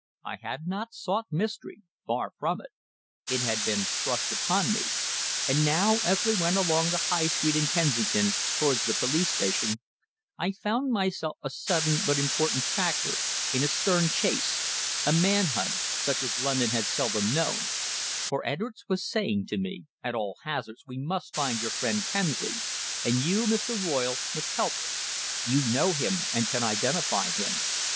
I had not sought mystery far from it. It had been thrust upon me, and now, as we went along the High Street in Kensington, towards the police station, I found myself a sudden but important factor in a stern chase a man hunt such as London had seldom known, for Edwards was saying to me: "At all hazards we must find your friend Kemsley, and you, Mr. Royle, must help us. You know him, and can identify him.